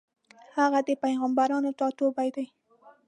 هغه د پېغمبرانو ټاټوبی دی.